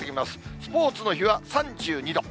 スポーツの日は３２度。